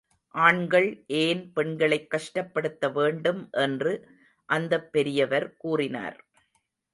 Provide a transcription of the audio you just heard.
ஆண்கள் ஏன் பெண்களைக் கஷ்டப்படுத்த வேண்டும் என்று அந்தப் பெரியவர் கூறினார்.